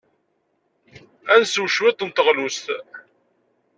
Ad nsew cwiṭ n teɣlust?